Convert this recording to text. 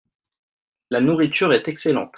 La nourriture est excellente.